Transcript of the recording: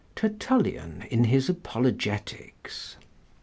Tertullian in his Apologetics.